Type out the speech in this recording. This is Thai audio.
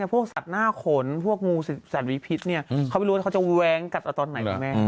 พวกสัตว์หน้าขนพวกงูสัตว์มีพิษเนี่ยเขาไม่รู้ว่าเขาจะแว้งกัดเอาตอนไหนคุณแม่